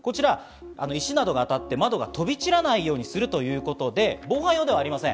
石などが当たって窓が飛び散らないようにするということで、防犯用ではありません。